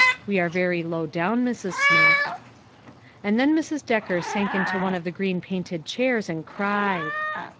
We are very low down, Mrs. Smith." And then Mrs. Decker sank into one of the green painted chairs and cried.